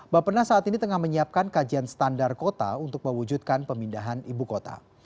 bapenas saat ini tengah menyiapkan kajian standar kota untuk mewujudkan pemindahan ibu kota